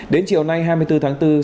đến chiều nay hai mươi bốn tháng bốn